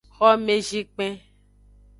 Xomezikpen.